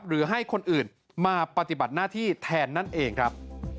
หรือให้คนอื่นมาปฏิบัติหน้าที่แทนนั่นเองครับ